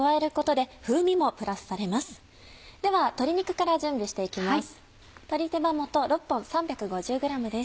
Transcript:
では鶏肉から準備していきます。